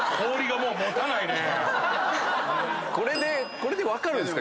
これで分かるんですか？